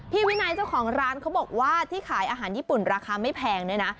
วินัยเจ้าของร้านเขาบอกว่าที่ขายอาหารญี่ปุ่นราคาไม่แพงด้วยนะ